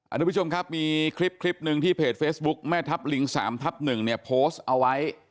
ทุกผู้ชมครับมีคลิปหนึ่งที่เพจเฟซบุ๊คแม่ทับลิง๓ทับ๑เนี่ยโพสต์เอาไว้